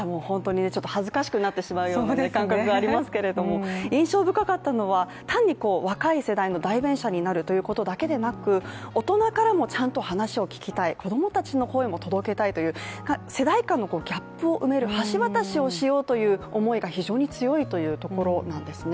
ちょっと恥ずかしくなってしまうような感覚がありますけど印象深かったのは単に若い世代の代弁者になるというだけではなく、大人からもちゃんと話を聞きたい、子供たちの声も届けたいという、世代間のギャップを埋める橋渡しをしようという思いが非常に強いところなんですね。